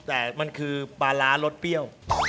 แต่มันคือปลาร้ารสเปรี้ยว